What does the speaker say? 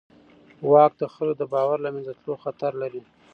واک د خلکو د باور له منځه تلو خطر لري.